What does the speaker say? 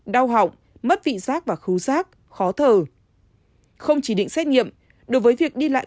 đau họng mất vị giác và khu giác khó thờ không chỉ định xét nghiệm đối với việc đi lại